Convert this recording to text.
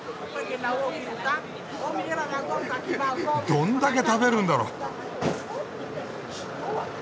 どんだけ食べるんだろ？